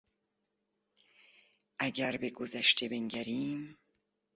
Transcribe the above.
اگر به گذشته بنگریم